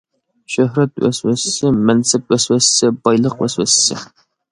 شۆھرەت ۋەسۋەسىسى، مەنسەپ ۋەسۋەسىسى، بايلىق ۋەسۋەسىسى.